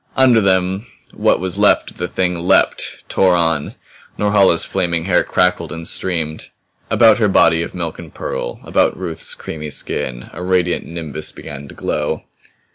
Under them what was left of the Thing leaped, tore on. Norhala's flaming hair crackled and streamed; about her body of milk and pearl about Ruth's creamy skin a radiant nimbus began to glow.